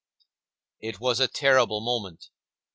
It was a terrible moment.